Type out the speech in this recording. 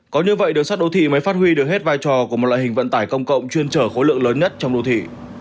có như vậy đường sắt đô thị mới phát huy được hết vai trò của một loại hình vận tải công cộng chuyên trở khối lượng lớn nhất trong đô thị